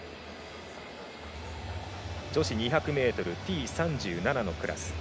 女子２００ｍＴ３７のクラス。